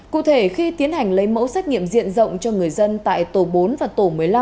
cụ thể khi tiến hành lấy mẫu xét nghiệm diện rộng cho người dân tại tổ bốn và tổ một mươi năm